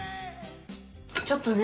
ちょっとね